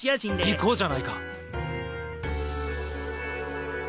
行こうじゃないか。